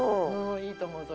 いいと思うそれ。